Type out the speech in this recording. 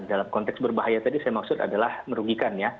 dalam konteks berbahaya tadi saya maksud adalah merugikan ya